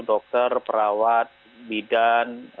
dokter perawat bidan